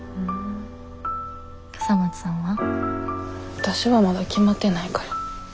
わたしはまだ決まってないから。